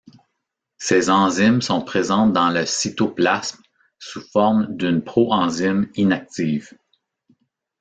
Ces enzymes sont présentes dans le cytoplasme sous forme d'une proenzyme inactive.